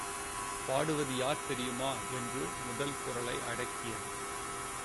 பாடுவது யார்தெரியுமா? என்று முதல் குரலை அடக்கியது.